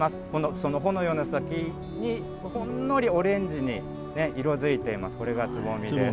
その穂のような先にほんのりオレンジに色づいています、これがつぼみです。